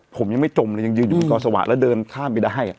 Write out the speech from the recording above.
ผมยังไม่จมเลยยังยืนอยู่บนกอสวะแล้วเดินข้ามไปได้